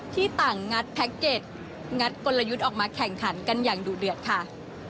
ที่ต่างงัดแพ็คเก็ตัดกลยุทธ์ออกมาแข่งขันกันอย่างดุเดือดค่ะ